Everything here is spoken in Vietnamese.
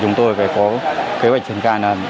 chúng tôi phải có kế hoạch trình cài